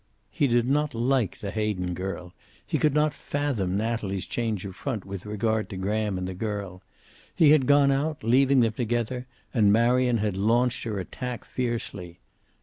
He did not like the Hayden girl. He could not fathom Natalie's change of front with regard to Graham and the girl. He had gone out, leaving them together, and Marion had launched her attack fiercely.